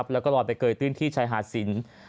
แล้วก็รอดไปเกย์ตื้นที่ชายหาดสิน